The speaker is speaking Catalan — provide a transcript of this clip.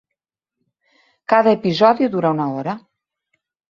Cada episodi dura una hora.